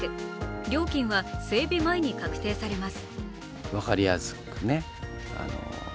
料金は整備前に確定されます。